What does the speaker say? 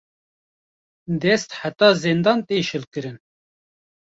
Dest heta zendan tê şilkirin